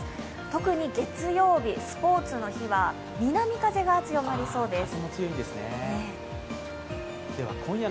特に月曜日、スポーツの日は南風が強まりそうです。